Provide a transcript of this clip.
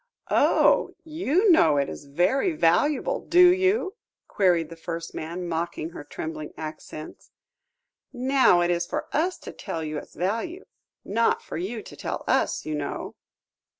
"Oh! you know it is very valuable, do you?" queried the first man, mocking her trembling accents; "now, it is for us to tell you its value; not for you to tell us, you know.